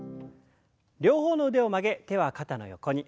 両方の腕を曲げ手は肩の横に。